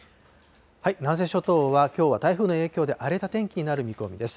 南西諸島は、きょうは台風の影響で荒れた天気になる見込みです。